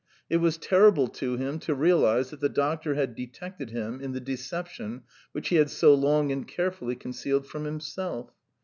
It was terrible to him to realise that the doctor had detected him in the deception which he had so long and carefully concealed from himself.